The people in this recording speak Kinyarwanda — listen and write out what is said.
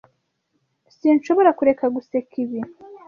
Sinshobora kureka guseka ibi.